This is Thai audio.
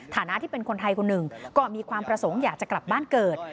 ฐานะที่เป็นคนไทยคนหนึ่งก็มีความประสงค์อยากจะกลับบ้านเกิด